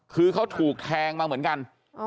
คือเขาถูกแทงมาเหมือนกัน